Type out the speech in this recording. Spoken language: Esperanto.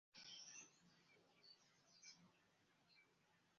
Sur la Granda Mito situas montara restoracio.